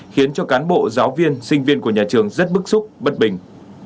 khiến cho cán bộ giáo viên sinh viên của nhà trường rất bức xúc bất bình